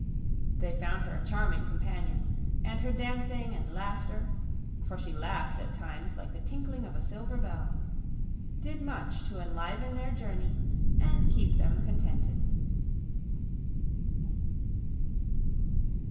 They found her a charming companion, and her dancing and laughter for she laughed at times like the tinkling of a silver bell did much to enliven their journey and keep them contented.